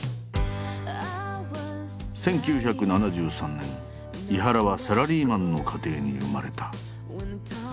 １９７３年井原はサラリーマンの家庭に生まれた。